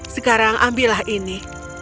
sekarang ambillah ini